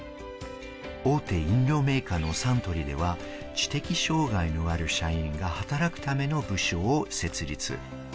大手飲料メーカーのサントリーでは知的障害のある社員が働くための部署を設立。